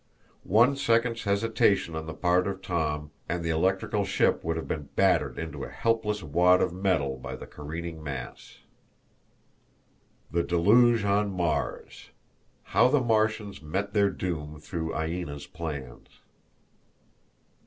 One second's hesitation on the part of Tom, and the electrical ship would have been battered into a shapeless wad of metal by the careening mass. The Deluge On Mars. How the Martians Met Their Doom Through Aina's Plans.